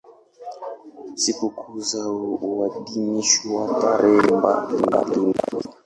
Sikukuu zao huadhimishwa tarehe mbalimbali.